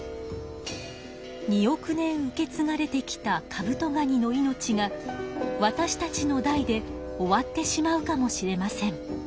２億年受けつがれてきたカブトガニの命がわたしたちの代で終わってしまうかもしれません。